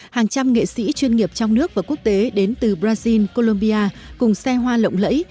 hàng trăm nghệ sĩ chuyên nghiệp trong nước và quốc tế đến từ brazil colombia cùng xe hoa lộng lẫy